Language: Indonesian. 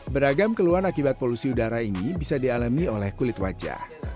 beragam keluhan akibat polusi udara ini bisa dialami oleh kulit wajah